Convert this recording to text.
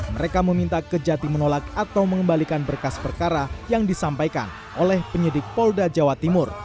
mereka meminta kejati menolak atau mengembalikan berkas perkara yang disampaikan oleh penyidik polda jawa timur